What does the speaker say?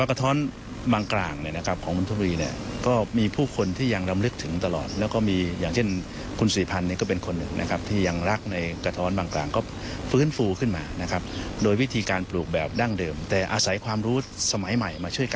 เอาล่ะคุณผู้ชมเดี๋ยวช่วงนี้พาไปเข้าวัดกันหน่อย